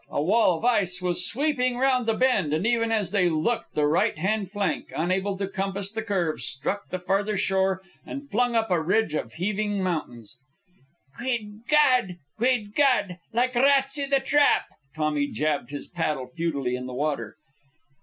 A wall of ice was sweeping round the bend, and even as they looked the right hand flank, unable to compass the curve, struck the further shore and flung up a ridge of heaving mountains. "Guid Gawd! Guid Gawd! Like rats i' the trap!" Tommy jabbed his paddle futilely in the water.